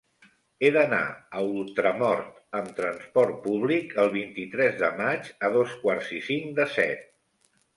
He d'anar a Ultramort amb trasport públic el vint-i-tres de maig a dos quarts i cinc de set.